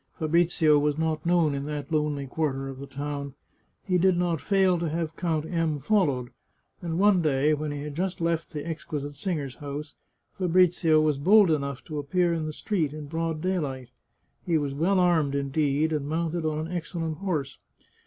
Fabrizio was not known in that lonely quarter of the 233 The Chartreuse of Parma town. He did not fail to have Count M followed, and one day, when he had just left the exquisite singer's house, Fabrizio was bold enough to appear in the street in broad daylight. He was well armed, indeed, and mounted on an excellent horse.